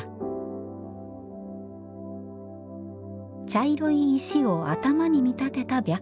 茶色い石を頭に見たてた白虎。